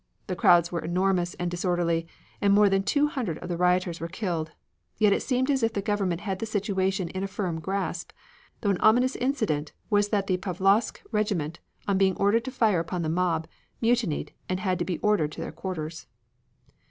The crowds were enormous, and disorderly, and more than two hundred of the rioters were killed. Yet it seemed as if the government had the situation in a firm grasp, though an ominous incident was that the Pavlovsk regiment on being ordered to fire upon the mob, mutinied and had to be ordered to their quarters.